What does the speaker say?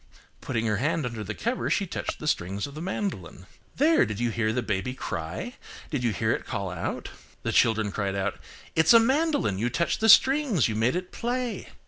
Putting her hand under the cover, she touched the strings of the mandolin. "There! did you hear the baby cry? Did you hear it call out?" The children cried out–"It's a mandolin, you touched the strings, you made it play."